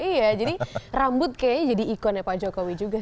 iya jadi rambut kayaknya jadi ikonnya pak jokowi juga